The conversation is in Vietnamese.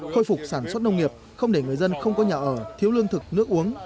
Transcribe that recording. khôi phục sản xuất nông nghiệp không để người dân không có nhà ở thiếu lương thực nước uống